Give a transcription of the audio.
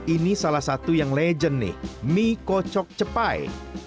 ini salah satu yang legend nih mie kocok cepai